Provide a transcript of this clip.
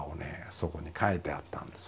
そこに書いてあったんですよ。